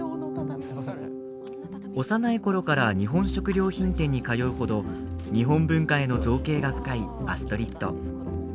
幼いころから日本食料品店に通う程日本文化への造詣が深いアストリッド。